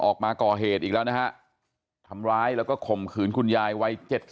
ออกมาก่อเหตุอีกแล้วนะฮะทำร้ายแล้วก็ข่มขืนคุณยายวัย๗๐